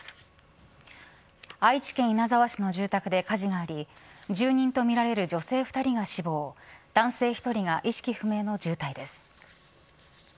愛知県稲沢市の住宅で火事があり住人とみられる女性２人が死亡男性１人が意識不明の重体です。